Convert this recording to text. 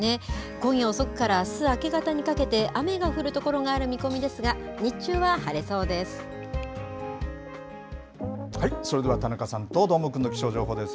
今夜遅くからあす明け方にかけて、雨が降る所がある見込みですが、それでは、田中さんとどーもくんの気象情報です。